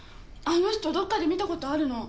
あの人どっかで見たことあるの。